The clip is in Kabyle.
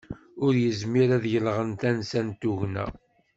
Ur yezmir ad yenɣel tansa n tugna